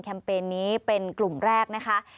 เปญนี้เป็นกลุ่มแรกนะคะ